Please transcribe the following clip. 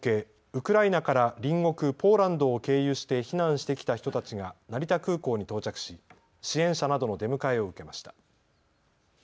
ウクライナから隣国ポーランドを経由して避難してきた人たちが成田空港に到着し支援者などの出迎えを受けました。